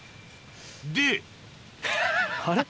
であれ？